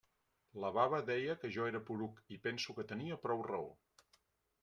La baba deia que jo era poruc, i penso que tenia prou raó.